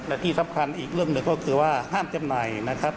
และที่สำคัญอีกเรื่องหนึ่งก็คือว่าห้ามจำหน่ายนะครับ